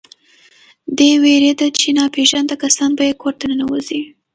دی وېرېده چې ناپېژانده کسان به یې کور ته ننوځي.